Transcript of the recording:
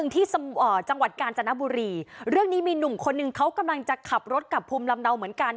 ที่จังหวัดกาญจนบุรีเรื่องนี้มีหนุ่มคนหนึ่งเขากำลังจะขับรถกลับภูมิลำเนาเหมือนกัน